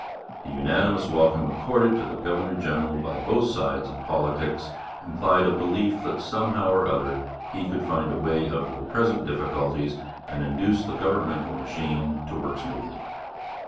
The unanimous welcome accorded to the governor general by both sides of politics implied a belief that somehow or other he could find a way out of the present difficulties and induce the governmental machine to work smoothly.